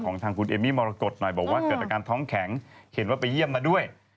ทางคุณเอมมี่มรกฏหน่อยบอกว่าเกิดอาการท้องแข็งเห็นว่าไปเยี่ยมมาด้วย